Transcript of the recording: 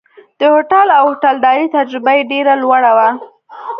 د هوټل او هوټلدارۍ تجربه یې ډېره لوړه وه.